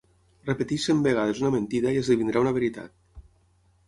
Repeteix cent vegades una mentida i esdevindrà una veritat.